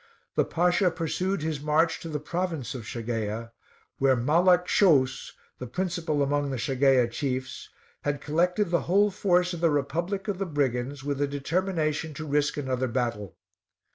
The Pasha pursued his march to the province of Shageia, where Malek Shouus, the principal among the Shageia chiefs, had collected the whole force of the republic of the brigands with a determination to risk another battle.